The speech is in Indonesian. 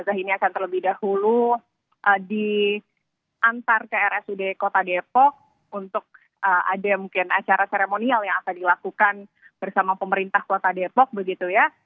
apakah ini akan terlebih dahulu diantar ke rsud kota depok untuk ada mungkin acara seremonial yang akan dilakukan bersama pemerintah kota depok begitu ya